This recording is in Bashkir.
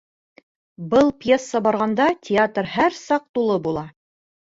Был пьеса барғанда театр һәр саҡ тулы була